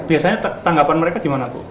biasanya tanggapan mereka gimana bu